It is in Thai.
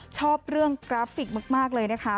ชอบเรื่องกราฟิกมากเลยนะคะ